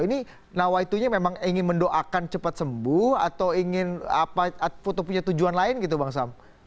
ini nawaitunya memang ingin mendoakan cepat sembuh atau ingin punya tujuan lain gitu bang sam